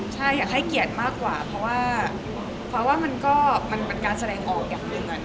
ใช่อยากให้เกียรติมากกว่าเพราะว่าฟ้าว่ามันก็มันเป็นการแสดงออกอย่างหนึ่ง